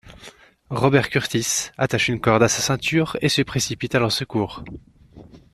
Robert Kurtis attache une corde à sa ceinture et se précipite à leur secours.